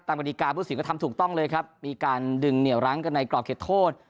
กฎิกาผู้สินก็ทำถูกต้องเลยครับมีการดึงเหนียวร้างกันในกรอบเขตโทษ